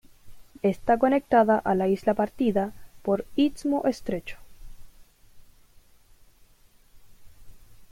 Está conectada a la Isla Partida por istmo estrecho.